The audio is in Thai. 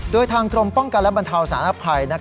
โดยทางกรมป้องกันและบรรเทาสารภัย